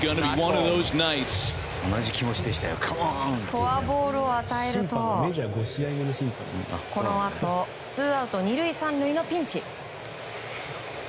フォアボールを与えるとこのあとツーアウト２塁３塁のピンチ。